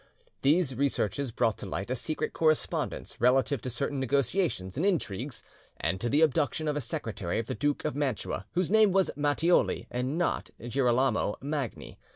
These researches brought to light a secret correspondence relative to certain negotiations and intrigues, and to the abduction of a secretary of the Duke of Mantua whose name was Matthioli, and not Girolamo Magni.